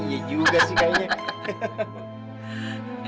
iya juga sih kayaknya